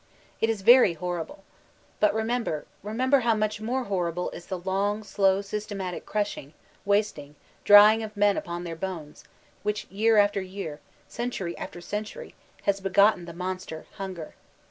It is very horrible! But remember, — remember how much more horrible is the long, slow systematic crushing, wast ing, drying of men upon their bones, which year after year, century after century, has b^notten the Monster, Hunger.